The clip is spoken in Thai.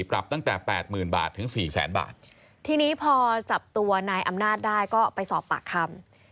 ปรับตั้งแต่แปดหมื่นบาทถึงสี่แสนบาททีนี้พอจับตัวนายอำนาจได้ก็ไปสอบปากคำ